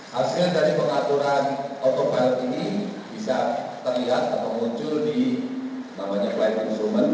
hasil dari pengaturan autopilot ini bisa terlihat atau muncul di namanya flight instrument